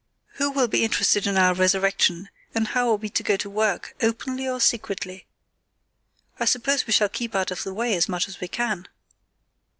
"Who will be interested in our resurrection, and how are we to go to work, openly or secretly? I suppose we shall keep out of the way as much as we can?"